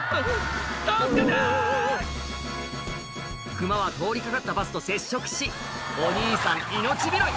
クマは通り掛かったバスと接触しお兄さん命拾い